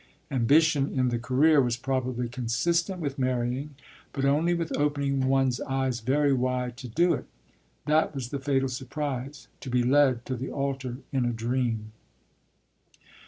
Ambition, in the career, was probably consistent with marrying but only with opening one's eyes very wide to do it. That was the fatal surprise to be led to the altar in a dream.